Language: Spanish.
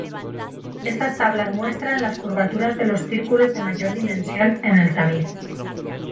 Estas tablas muestran las curvaturas de los círculos de mayor dimensión en el tamiz.